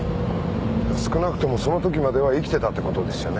少なくともその時までは生きてたってことですよね？